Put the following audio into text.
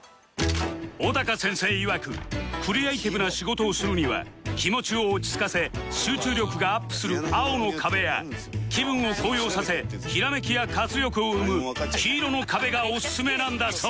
小高先生いわくクリエイティブな仕事をするには気持ちを落ち着かせ集中力がアップする青の壁や気分を高揚させひらめきや活力を生む黄色の壁がおすすめなんだそう